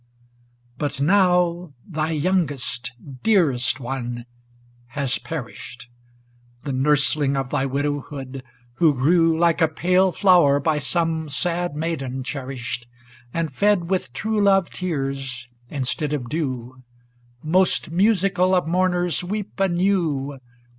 VI But now, thy youngest, dearest one has perished, The nursling of thy widowhood, who grew. Like a pale flower by some sad maiden cherished And fed with true love tears instead of dew; Most musical of mourners, weep anew